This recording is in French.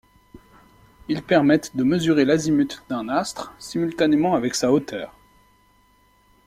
Ils permettent de mesurer l'azimut d'un astre simultanément avec sa hauteur.